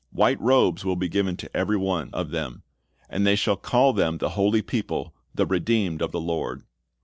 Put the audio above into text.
White robes will be given to every one of them. And "they shall call them the holy people, the redeemed of the Lord."